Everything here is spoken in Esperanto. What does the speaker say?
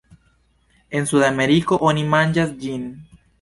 En Sudameriko oni manĝas ĝin.